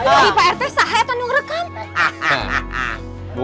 ini prt sahaya atau nunggu rekam